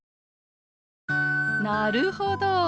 なるほど。